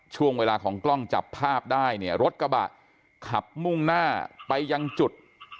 ช่วงเวลาของกล้องจับภาพได้เนี่ยรถกระบะขับมุ่งหน้าไปยังจุด